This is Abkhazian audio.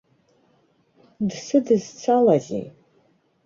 Дсыдызцалазеи?!